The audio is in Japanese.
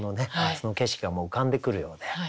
その景色がもう浮かんでくるようで。